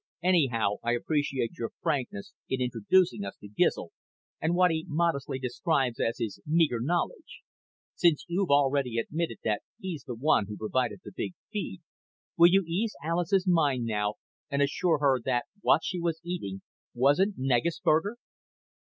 "Anyhow I appreciate your frankness in introducing us to Gizl and what he modestly describes as his meager knowledge. Since you've already admitted that he's the one who provided the big feed, will you ease Alis's mind now and assure her that what she was eating wasn't Negusburger?"